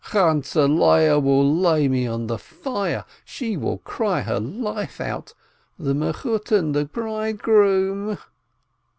"Chantzeh Leah will lay me on the fire ... she will cry her life out ... the Mechutton ... the bridegroom